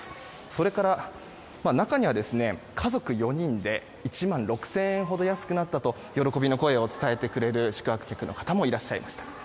それから、中には家族４人で１万６０００円ほど安くなったと喜びの声を伝えてくれる宿泊客の方もいらっしゃいました。